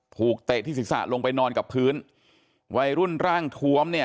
เตะที่ศีรษะลงไปนอนกับพื้นวัยรุ่นร่างทวมเนี่ย